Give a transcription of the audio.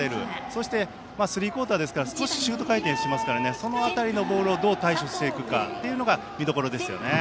そしてスリークオーターなのでシュート回転するのでその辺りのボールをどう対処していくのかというのが見どころですよね。